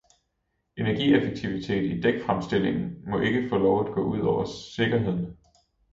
Energieffektivitet i dækfremstillingen må ikke få lov at gå ud over sikkerheden.